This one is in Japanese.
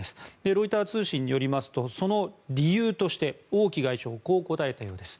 ロイター通信によりますとその理由として王毅外相はこう答えたようです。